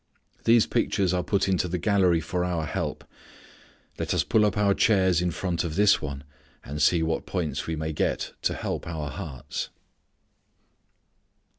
These pictures are put into the gallery for our help. Let us pull up our chairs in front of this one and see what points we may get to help our hearts.